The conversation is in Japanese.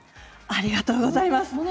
ありがとうございます。